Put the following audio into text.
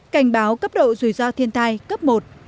cảnh báo cấp độ rủi ro thiên tai cấp một